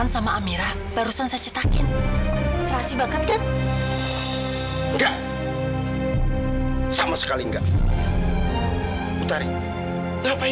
sampai jumpa di video selanjutnya